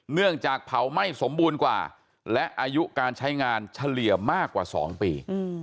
เนื่องจากเผาไหม้สมบูรณ์กว่าและอายุการใช้งานเฉลี่ยมากกว่า๒ปี